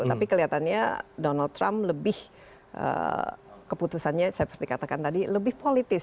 tapi kelihatannya donald trump lebih keputusannya seperti katakan tadi lebih politis